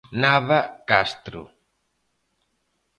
Nava Castro.